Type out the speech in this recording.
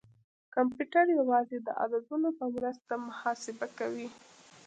کمپیوټر یوازې د عددونو په مرسته محاسبه کوي.